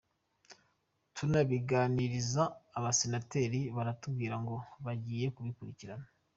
tunabiganiriza abasenateri baratubwira ngo bagiye kubikurikirana.